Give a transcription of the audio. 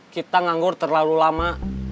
kita nganggur terlalu lama